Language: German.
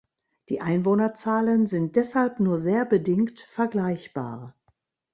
Die Einwohnerzahlen sind deshalb nur sehr bedingt vergleichbar.